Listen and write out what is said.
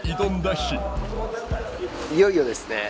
いよいよですね。